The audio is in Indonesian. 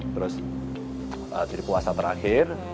terus jadi puasa terakhir